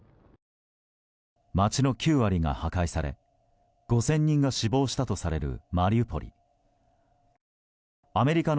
街の９割が破壊され５０００人が死亡したとされるマリウポリ。